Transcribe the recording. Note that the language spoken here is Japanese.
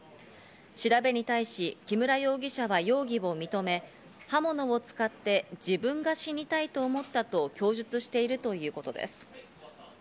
調べに対し木村容疑者は容疑を認め、刃物を使って自分が死にたいと思ったと供述しているということです。